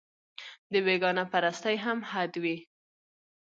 د بېګانه پرستۍ هم حد وي